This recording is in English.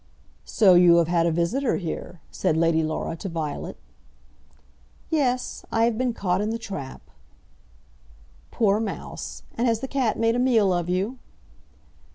"So you have had a visitor here," said Lady Laura to Violet. "Yes; I have been caught in the trap." "Poor mouse! And has the cat made a meal of you?"